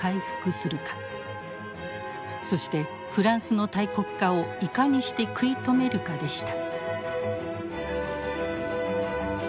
そしてフランスの大国化をいかにして食い止めるかでした。